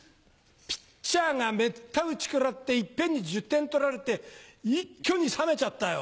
ピッチャーがめった打ち食らって一遍に１０点取られて一挙に冷めちゃったよ。